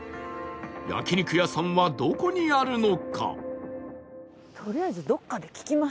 焼肉屋さんはどこにあるのか？